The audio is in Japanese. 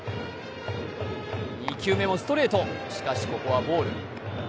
２球目もストレート、しかしここはボール。